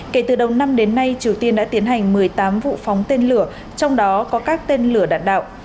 kể từ đầu năm đến nay triều tiên đã tiến hành một mươi tám vụ phóng tên lửa trong đó có các tên lửa đạn đạo